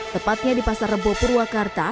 tepatnya di pasar rembo purwakarta